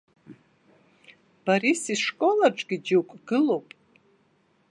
Борис ишкол аҿгьы џьоукы гылоуп.